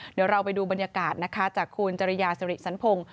เดี๋ยวเราไปดูบรรยากาศนะคะจากคุณจริยาสิริสันพงศ์